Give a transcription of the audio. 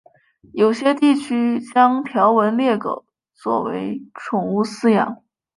有些地区将条纹鬣狗作为宠物饲养。